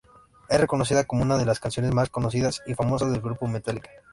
Es reconocida como una de las canciones más conocidas y famosas del grupo Metallica.